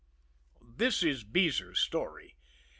This is Beezer's story.